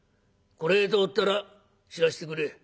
これへ通ったら知らせてくれ。